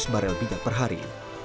empat ratus barel minyak per hari